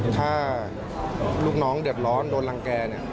ถ้าลูกน้องเดือดร้อนโดนรังแก่เนี่ย